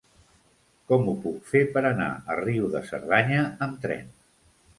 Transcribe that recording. Com ho puc fer per anar a Riu de Cerdanya amb tren?